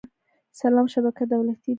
سلام شبکه دولتي ده